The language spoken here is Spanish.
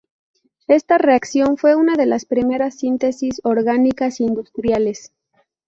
Esta reacción fue una de las primeras síntesis orgánicas industriales.